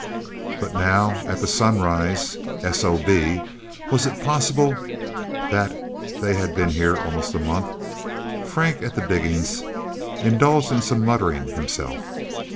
But now, at the sunrise S.O.B., was it possible that they had been here almost a month? Frank at the diggings, indulged in some muttering, himself.